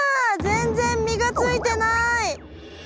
全然実がついてない。